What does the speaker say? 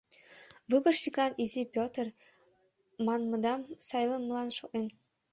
Выборщиклан Изи Петр манмыдам сайлымылан шотлена.